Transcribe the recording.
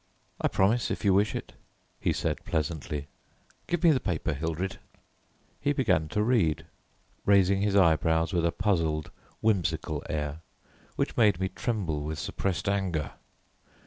"I promise, if you wish it," he said pleasantly. "Give me the paper, Hildred." He began to read, raising his eyebrows with a puzzled, whimsical air, which made me tremble with suppressed anger.